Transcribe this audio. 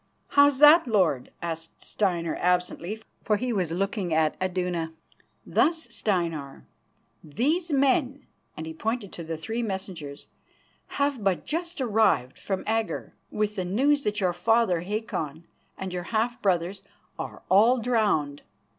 "How's that, Lord?" asked Steinar absently, for he was looking at Iduna. "Thus, Steinar: These men" and he pointed to the three messengers "have but just arrived from Agger with the news that your father, Hakon, and your half brothers are all drowned.